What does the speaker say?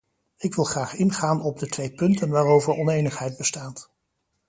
Ik wil graag ingaan op de twee punten waarover onenigheid bestaat.